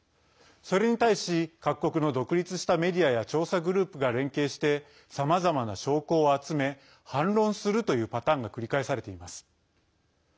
それに対し各国の独立したメディアや調査グループが連携してさまざまな証拠を集め反論するというパターンが繰り返されています。